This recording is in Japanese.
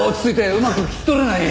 うまく聞き取れない！